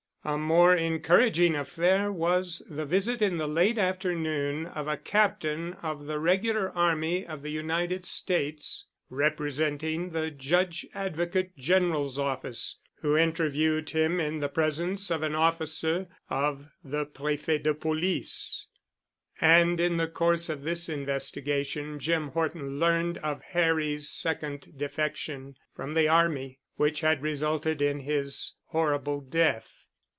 A more encouraging affair was the visit in the late afternoon of a captain of the regular army of the United States, representing the Judge Advocate General's office, who interviewed him in the presence of an officer of the Prefet de Police. And in the course of this investigation Jim Horton learned of Harry's second defection from the army which had resulted in his horrible death.